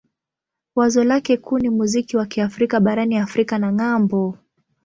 Wazo lake kuu ni muziki wa Kiafrika barani Afrika na ng'ambo.